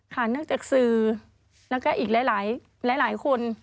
เนื่องจากสื่อแล้วก็อีกหลายคน